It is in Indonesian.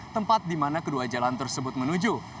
tempat di mana kedua jalan tersebut menuju